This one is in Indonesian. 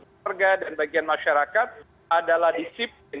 warga dan bagian masyarakat adalah disiplin